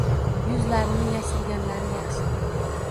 yuzlarini yashirganlari yaxshi.